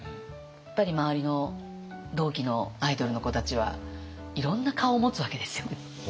やっぱり周りの同期のアイドルの子たちはいろんな顔を持つわけですよね。